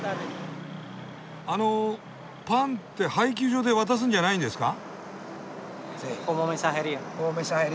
あのパンって配給所で渡すんじゃないんですか？